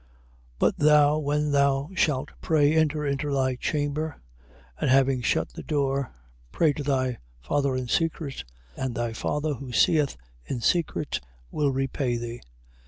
6:6. But thou when thou shalt pray, enter into thy chamber, and having shut the door, pray to thy Father in secret, and thy father who seeth in secret will repay thee.